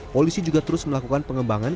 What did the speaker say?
polisi juga terus melakukan pengembangan